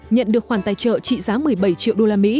nhận được khoản tài trợ trị giá một mươi bảy triệu usd